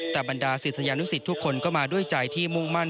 แต่บรรดาศิษยานุสิตทุกคนก็มาด้วยใจที่มุ่งมั่น